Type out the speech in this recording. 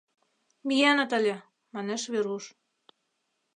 — Миеныт ыле, — манеш Веруш.